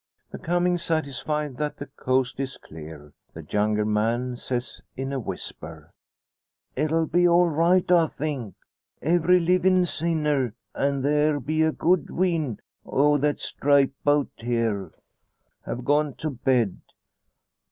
Becoming satisfied that the coast is clear, the younger man says in a whisper "It be all right, I think. Every livin' sinner an' there be a good wheen o' that stripe 'bout here have gone to bed.